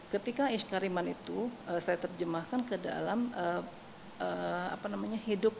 ketika isykariman itu saya terjemahkan ke dalam hiduplah dengan terhormat gitu ya